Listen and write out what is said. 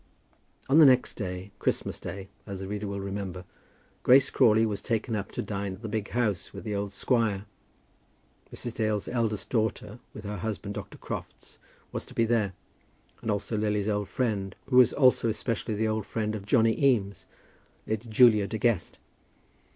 On the next day, Christmas Day, as the reader will remember, Grace Crawley was taken up to dine at the big house with the old squire. Mrs. Dale's eldest daughter, with her husband, Dr. Crofts, was to be there; and also Lily's old friend, who was also especially the old friend of Johnny Eames, Lady Julia De Guest.